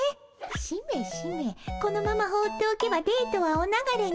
しめしめこのまま放っておけばデートはお流れに。